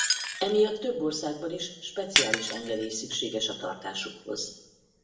Emiatt több országban is speciális engedély szükséges a tartásukhoz.